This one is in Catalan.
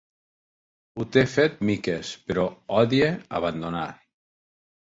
Ho té fet miques, però odia abandonar.